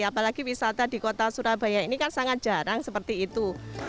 apalagi wisata di kota surabaya ini kan sangat jarang seperti itu